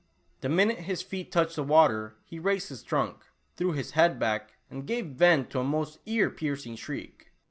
The minute his feet touched the water, he raised his trunk, threw his head back and gave vent to a most ear piercing shriek!